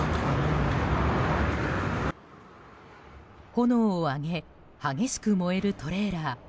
炎を上げ激しく燃えるトレーラー。